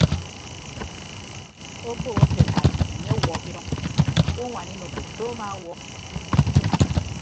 Obo akekan enye ọwuọ ke idʌñ owoñwaan inọkon do amawuọ.